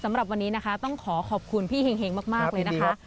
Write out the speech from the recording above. สำหรับวันนี้นะคะต้องขอขอบคุณพี่เห็งมากเลยนะคะ